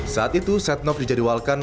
saat itu setnov dijadiwalkan